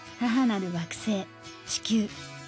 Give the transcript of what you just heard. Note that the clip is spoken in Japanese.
母なる惑星地球。